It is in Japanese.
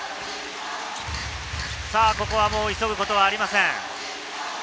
ここは急ぐことはありません。